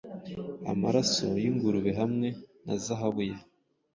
Amaraso-y ingurube hamwe na zahabu ye